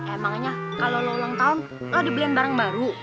emangnya kalau lo ulang tahun lo dibeliin barang baru